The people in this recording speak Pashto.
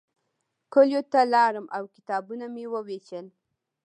کلیو ته لاړم او کتابونه مې ووېشل.